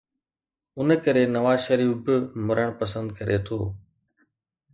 ان ڪري نواز شريف به مرڻ پسند ڪري ٿو.